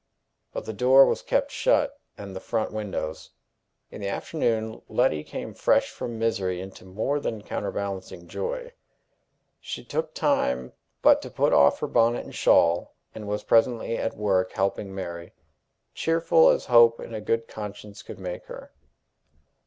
But the door was kept shut, and the front windows. In the afternoon Letty came fresh from misery into more than counterbalancing joy. She took but time to put off her bonnet and shawl, and was presently at work helping Mary, cheerful as hope and a good conscience could make her.